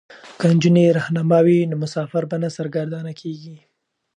که نجونې رهنما وي نو مسافر به نه سرګردانه کیږي.